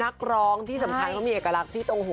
นักร้องที่สำคัญเขามีเอกลักษณ์ที่ตรงหัว